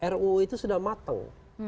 ruu itu sudah matang